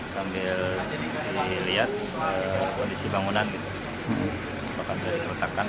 sambil dilihat kondisi bangunan bahkan sudah diketahkan